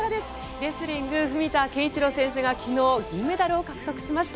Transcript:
レスリング、文田健一郎選手が昨日、銀メダルを獲得しました。